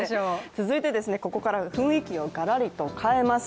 続いて、ここから雰囲気をがらりと変えます。